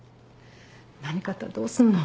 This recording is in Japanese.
何かあったらどうするの？